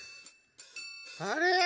あれ？